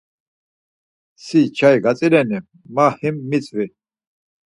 Si çai gatzileni, ma him mitzvi.